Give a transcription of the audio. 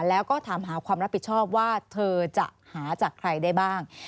แล้วก็ถามหาความรับผิดชอบว่าเธอจะหาจากใครได้บ้าง